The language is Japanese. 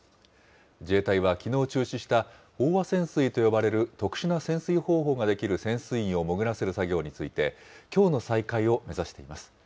自衛隊はきのう中止した飽和潜水と呼ばれる特殊な潜水方法ができる潜水員を潜らせる作業について、きょうの再開を目指しています。